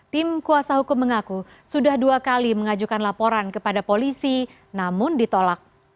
tim kuasa hukum mengaku sudah dua kali mengajukan laporan kepada polisi namun ditolak